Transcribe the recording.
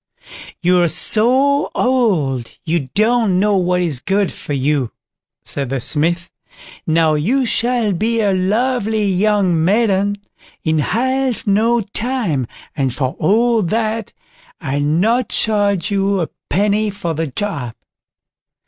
"You're so old, you don't know what is good for you", said the Smith; "now you shall be a lovely young maiden in half no time, and for all that, I'll not charge you a penny for the job."